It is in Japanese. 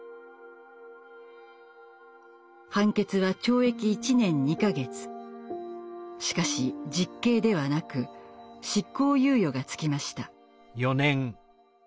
判決はしかし実刑ではなく執行猶予がつきました。